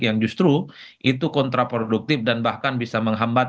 yang justru itu kontraproduktif dan bahkan bisa menghambat